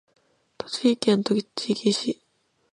栃木県栃木市